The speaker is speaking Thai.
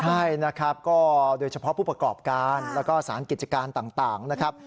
ใช่นะครับก็โดยเฉพาะผู้ประกอบการแล้วก็สารกิจการต่างนะครับ